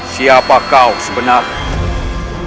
siapa kau sebenarnya